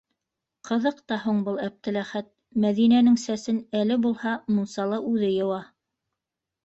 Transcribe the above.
Ҡыҙыҡ та һуң был Әптеләхәт: Мәҙинәнең сәсен әле булһа мунсала үҙе йыуа.